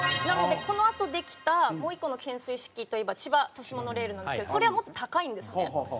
なのでこのあとできたもう一個の懸垂式といえば千葉都市モノレールなんですけどそれはもっと高いんですね。